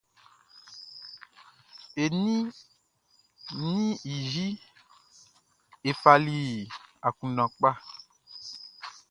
E ni mi yi e fali akunndan kun.